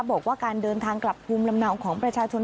บอกว่าการเดินทางกลับภูมิลำเนาของประชาชน